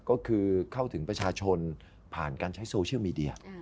ก็คือเข้าถึงประชาชนผ่านการใช้โซเชียลมีเดีย